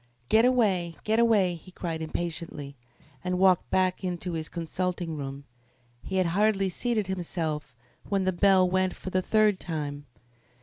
"Get away! Get away!" he cried impatiently, and walked back into his consulting room. He had hardly seated himself when the bell went for the third time.